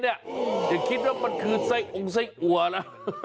เดี๋ยวคิดว่ามันคือไส้องค์ไส้อัวนะ